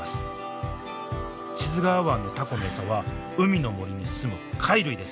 志津川湾のタコの餌は海の森に住む貝類です。